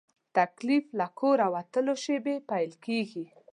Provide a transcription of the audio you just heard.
تکلیف له کوره وتلو شېبې پیل کېږي.